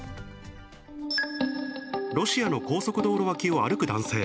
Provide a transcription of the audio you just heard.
ロシアの高速道路脇を歩く男性。